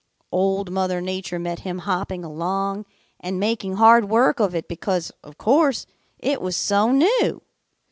"Old Mother Nature met him hopping along and making hard work of it because, of course, it was so new.